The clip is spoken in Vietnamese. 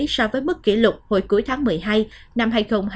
so với mức kỷ lục hồi cuối tháng một mươi hai năm hai nghìn hai mươi